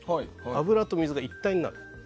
油と水が一体になる。